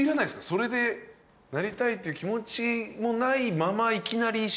それでなりたいっていう気持ちもないままいきなり。